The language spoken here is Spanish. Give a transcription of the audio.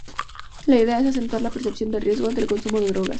La idea es acentuar la percepción de riesgo ante el consumo de drogas.